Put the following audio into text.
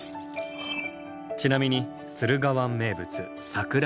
ちなみに駿河湾名物サクラエビ。